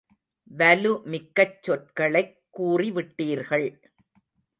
வலு மிக்கச் சொற்களைக் கூறிவிட்டீர்கள்.